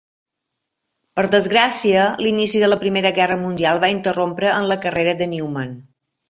Per desgràcia l'inici de la Primera Guerra Mundial va interrompre en la carrera de Newman.